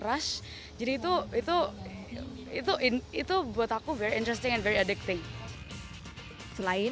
rush jadi itu itu itu itu buat aku very interesting and very addicting selain